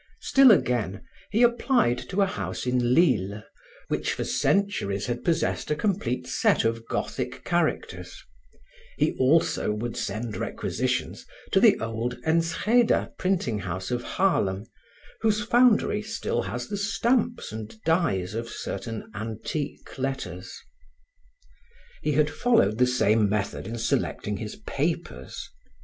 Still again, he applied to a house in Lille, which for centuries had possessed a complete set of Gothic characters; he also would send requisitions to the old Enschede printing house of Haarlem whose foundry still has the stamps and dies of certain antique letters. He had followed the same method in selecting his papers.